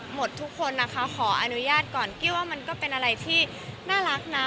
หมดทุกคนนะคะขออนุญาตก่อนกี้ว่ามันก็เป็นอะไรที่น่ารักนะ